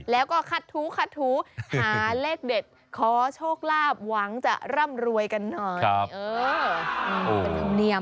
แล้วก็คัดถูขัดถูหาเลขเด็ดขอโชคลาภหวังจะร่ำรวยกันหน่อย